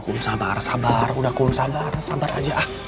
kom sabar sabar udah kom sabar sabar aja ah